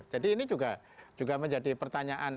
ini juga menjadi pertanyaan